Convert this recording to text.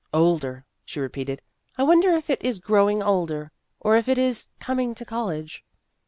" Older," she repeated ;" I wonder if it is growing older, or if it is coming to college."